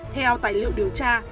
theo tài liệu điều tra